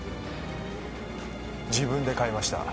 自分で買いました。